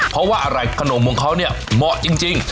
เพราะว่าอะไรขนมของเขาเนี่ยเหมาะจริง